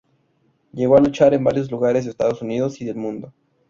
Llegó a luchar en varios lugares de Estados Unidos y del mundo.